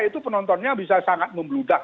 itu penontonnya bisa sangat membludak